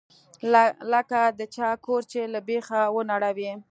لکه د چا کور چې له بيخه ونړوې.